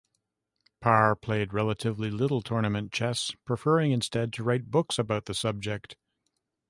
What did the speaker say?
Parr played relatively little tournament chess, preferring instead to write books about the subject.